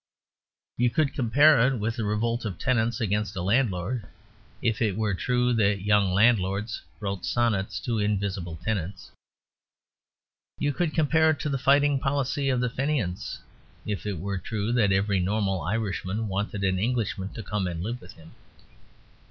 You could compare it with the revolt of tenants against a landlord if it were true that young landlords wrote sonnets to invisible tenants. You could compare it to the fighting policy of the Fenians if it were true that every normal Irishman wanted an Englishman to come and live with him.